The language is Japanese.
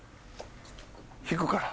引くから。